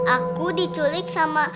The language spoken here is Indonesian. aku diculik sama